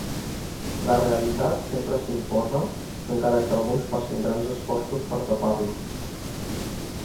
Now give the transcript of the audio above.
La realitat sempre s’imposa encara que alguns facin grans esforços per tapar-la.